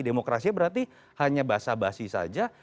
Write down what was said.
demokrasi berarti hanya basa basi saja